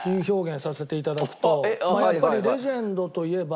やっぱりレジェンドといえば。